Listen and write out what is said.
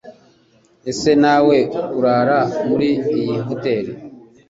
Ese nawe urara muri iyi hoteri?